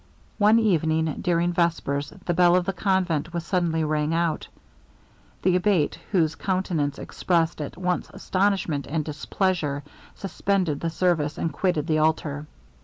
One evening, during vespers, the bell of the convent was suddenly rang out; the Abate, whose countenance expressed at once astonishment and displeasure, suspended the service, and quitted the altar.